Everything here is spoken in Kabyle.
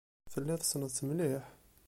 Telliḍ tessneḍ-t mliḥ?